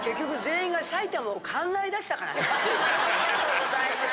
ありがとうございます。